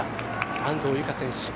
安藤友香選手